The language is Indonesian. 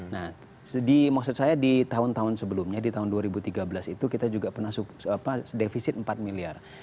nah di maksud saya di tahun tahun sebelumnya di tahun dua ribu tiga belas itu kita juga pernah defisit empat miliar